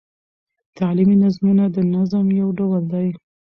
تعلیمي نظمونه د نظم یو ډول دﺉ.